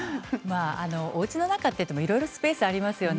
おうちの中といってもいろいろスペースがありますね。